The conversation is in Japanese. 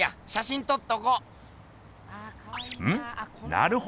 なるほど。